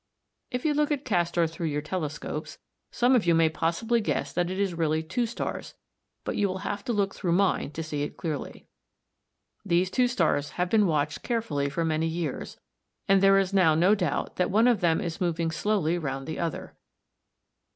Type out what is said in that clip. If you look at Castor through your telescopes, some of you may possibly guess that it is really two stars, but you will have to look through mine to see it clearly. These two stars have been watched carefully for many years, and there is now no doubt that one of them is moving slowly round the other.